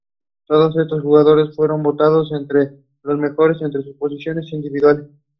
Hunter New England Health claim that there is no integrity to the original building